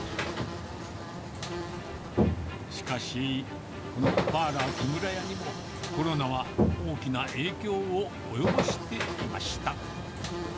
しかし、このパーラーキムラヤにも、コロナは大きな影響を及ぼしていました。